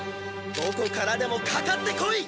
どこからでもかかってこい！